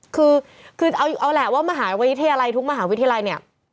คือคือเอาแหละว่ามหาวิทยาลัยทุกมหาวิทยาลัยเนี่ย